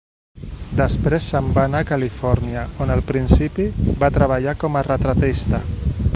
Després se'n va anar a Califòrnia, on al principi va treballar com a retratista.